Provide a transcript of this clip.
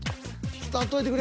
伝わっといてくれ。